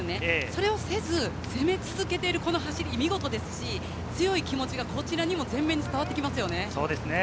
それをせず、攻め続けているこの走り、見事ですし、強い気持ちがこちらにも前面に伝わってきますよね。